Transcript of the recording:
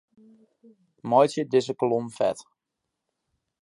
Meitsje dizze kolom fet.